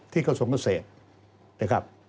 ที่เกษมเศษนะครับ